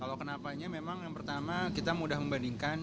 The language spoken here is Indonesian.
kalau kenapanya memang yang pertama kita mudah membandingkan